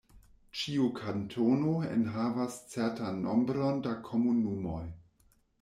Ĉiu kantono enhavas certan nombron da komunumoj.